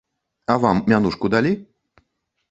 А вам мянушку далі?